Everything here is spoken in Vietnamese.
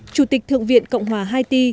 chủ tịch thượng viện cộng hòa haiti